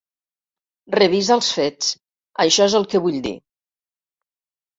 Revisa els fets, això és el que vull dir.